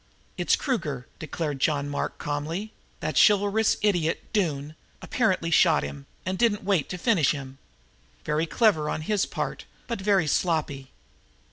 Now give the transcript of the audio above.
"It's Kruger," declared John Mark calmly. "That chivalrous idiot, Doone, apparently shot him down and didn't wait to finish him. Very clever work on his part, but very sloppy.